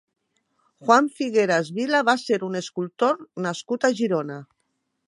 Juan Figueras Vila va ser un escultor nascut a Girona.